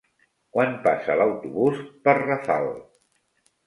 Quan passa l'autobús per Rafal?